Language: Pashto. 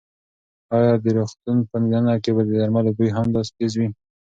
ایا د روغتون په دننه کې به د درملو بوی هم داسې تېز وي؟